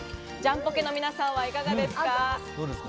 ジャンポケの皆さんはいかがですか？